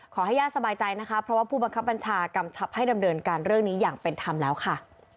ขอให้ย่าสบายใจนะคะเพราะว่าผู้บังคับบัญชากำชับให้ดำเนินการเรื่องนี้อย่างเป็นธรรมแล้วค่ะ